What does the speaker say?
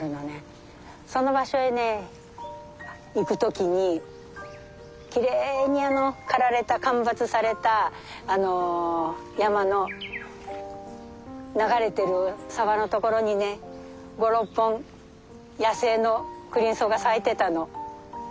その場所へね行く時にきれいに刈られた間伐された山の流れてる沢の所にね５６本野生のクリンソウが咲いてたの。